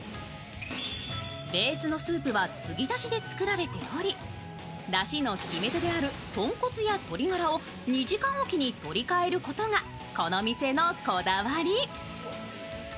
ベースのスープは継ぎ足しで作られておりだしの決め手である豚骨や鶏がらを２時間おきに取り替えることがこの店のこだわり。